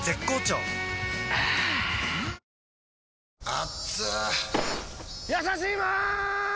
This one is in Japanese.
あぁやさしいマーン！！